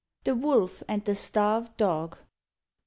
THE WOLF AND THE STARVED DOG.